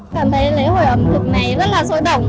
cảm thấy lễ hội ẩm thực này rất là rỗi động